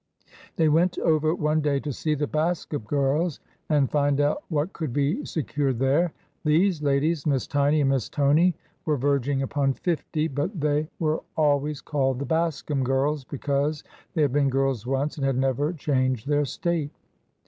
They went over one day to see the Bascom girls and find out what could be secured there. These ladies, Miss Tiny and Miss Tony, were verging upon fifty, but they 126 ORDER NO. 11 were always called the Bascom girls/' because they had been girls once and had never changed their state.